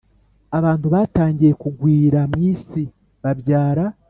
Abantu batangiye kugwira mu isi babyara